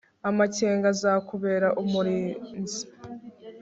Amakenga azakubera umurinzi